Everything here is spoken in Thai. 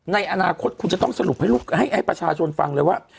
ในอนาคตคุณจะต้องสรุปให้ประชาชนฟังเลยว่า